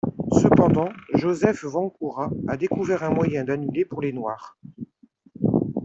Cependant Josef Vančura a découvert un moyen d'annuler pour les Noirs.